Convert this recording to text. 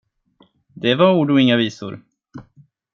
Det var ord och inga visor.